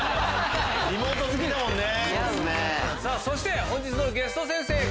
そして本日のゲスト先生